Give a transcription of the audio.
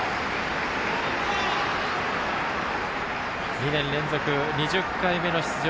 ２年連続２０回目の出場